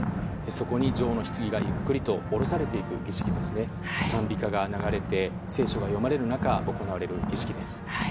そこに女王のひつぎがゆっくりと下ろされていく儀式讃美歌が流れて聖書が読まれる中行われる儀式です。